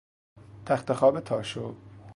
تخت خواب تاشو